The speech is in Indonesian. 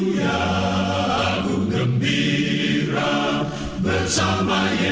jangan lupa like dan subscribe